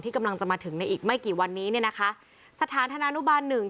กำลังจะมาถึงในอีกไม่กี่วันนี้เนี่ยนะคะสถานธนานุบาลหนึ่ง